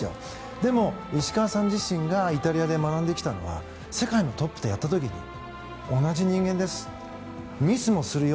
でも石川さん自身がイタリアで学んできたのは世界のトップとやった時に同じ人間ですミスもするよ。